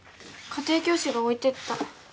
家庭教師が置いてった。